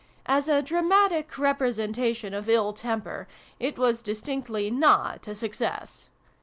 As a dramatic representation of ill temper, it was distinctly not a success.